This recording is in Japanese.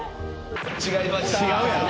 違いました！